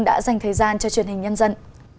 đã dành thời gian cho truyền hình nhân dân